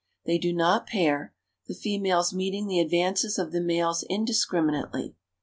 They do not pair, the females meeting the advances of the males indiscriminately.